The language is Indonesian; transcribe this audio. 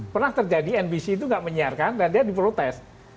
pernah terjadi nbc itu tidak menyiarkan dan dia diprotes